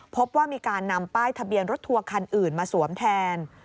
พบว่ามีการนำป้ายทะเบียนรถทัวร์คันอื่นมาสวมแทน